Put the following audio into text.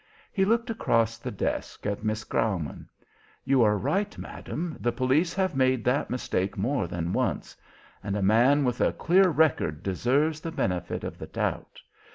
He looked across the desk at Miss Graumann. "You are right, Madam, the police have made that mistake more than once. And a man with a clear record deserves the benefit of the doubt.